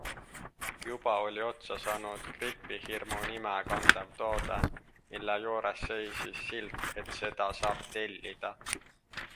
Juba oli otsa saanud Gripihirmu nime kandev toode, mille juures seisis silt, et seda saab tellida.